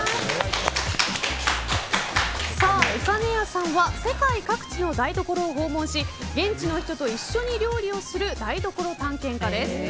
岡根谷さんは世界各地の台所を訪問し現地の人と一緒に料理をする台所探検家です。